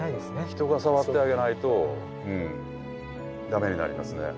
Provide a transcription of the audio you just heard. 人が触ってあげないとうん駄目になりますね。